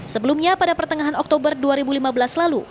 sebelumnya pada pertengahan oktober dua ribu lima belas lalu